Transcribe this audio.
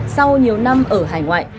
sau nhiều năm ở hải ngoại